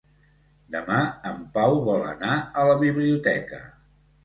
Demà en Pau vol anar a la biblioteca.